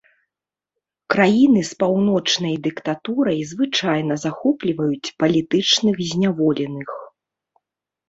Краіны з пануючай дыктатурай звычайна захопліваюць палітычных зняволеных.